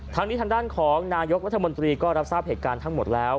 ทางด้านนี้ทางด้านของนายกรัฐมนตรีก็รับทราบเหตุการณ์ทั้งหมดแล้ว